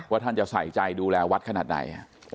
ว่าท่านจะใส่ใจดูแลวัดขนาดไหนฮะอืม